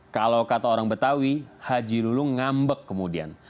kalau kata orang betawi haji lulung ngambek kemudian